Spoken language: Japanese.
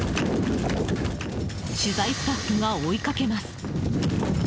取材スタッフが追いかけます。